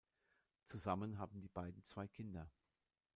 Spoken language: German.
Zusammen haben die beiden zwei Kinder.